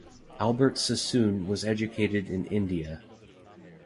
Albert Sassoon was educated in India.